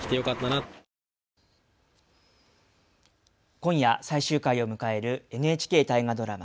今夜、最終回を迎えるＮＨＫ大河ドラマ